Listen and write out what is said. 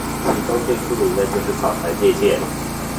其中最出名的就是草船借箭。